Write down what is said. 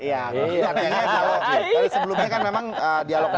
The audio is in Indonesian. iya tapi sebelumnya kan memang dialog dialog ini